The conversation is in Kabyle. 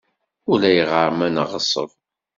Ulayɣer ma neɣṣeb.